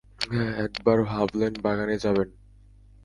এক বার ভাবলেন বাগানে যাবেন।